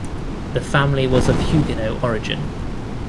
The family was of Huguenot origin.